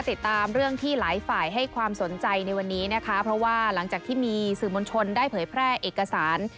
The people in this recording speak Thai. ติดตามเรื่องที่หลายฝ่ายให้ความสนใจในวันนี้นะคะเพราะว่าหลังจากที่มีสื่อมวลชนได้เผยแพร่เอกสาร